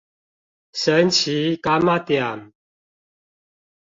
神奇柑仔店